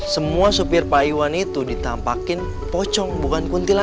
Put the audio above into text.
semua sopir pak iwan itu ditampakin pocong bukan kuntilanak